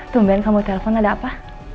tumben kamu telepon ada apa